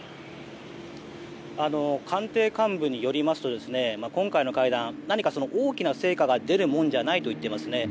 官邸幹部によりますと今回の会談は何か、大きな成果が出るもんじゃないと言っていますね。